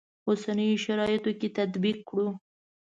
اوسنیو شرایطو کې تطبیق کړو.